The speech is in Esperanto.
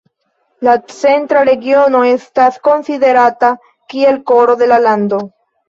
La centra regiono estas konsiderata kiel koro de la lando.